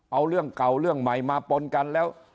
เอาเรื่องเก่าเรื่องใหม่มาปนกันแล้ว